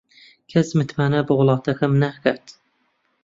کەس متمانە بە وڵاتەکەم ناکات.